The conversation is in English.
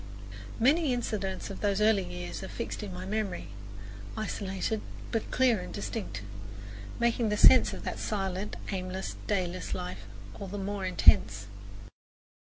Many incidents of those early years are fixed in my memory, isolated, but clear and distinct, making the sense of that silent, aimless, dayless life all the more intense.